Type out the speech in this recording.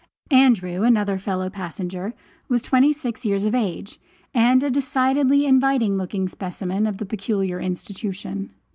Andrew, another fellow passenger, was twenty six years of age, and a decidedly inviting looking specimen of the peculiar institution.